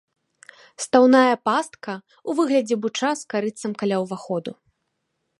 Стаўная пастка ў выглядзе буча з карытцам каля ўваходу.